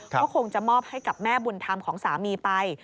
ก็คงจะมอบให้กับแม่บุญธรรมของสามีไป